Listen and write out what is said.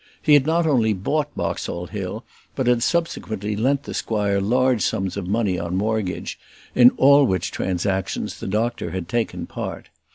He had not only bought Boxall Hill, but had subsequently lent the squire large sums of money on mortgage, in all which transactions the doctor had taken part.